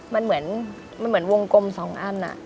มันเหมือนวงกลมสองอัน